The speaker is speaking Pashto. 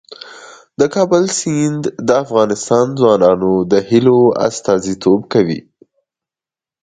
د کابل سیند د افغان ځوانانو د هیلو استازیتوب کوي.